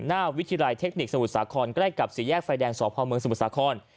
วิทยาลัยเทคนิคสมุทรสาครใกล้กับสี่แยกไฟแดงสพเมืองสมุทรสาคร